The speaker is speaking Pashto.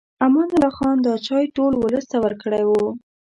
امان الله خان دا چای ټول ولس ته ورکړی و.